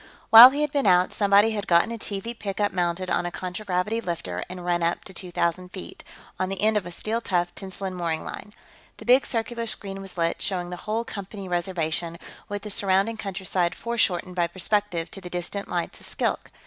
While he had been out, somebody had gotten a TV pickup mounted on a contragravity lifter and run up to two thousand feet, on the end of a steel tough tensilon mooring line. The big circular screen was lit, showing the whole Company Reservation, with the surrounding countryside foreshortened by perspective to the distant lights of Skilk.